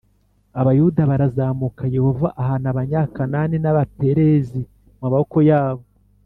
Abayuda barazamuka Yehova ahana Abanyakanani n Abaperizi mu maboko yabo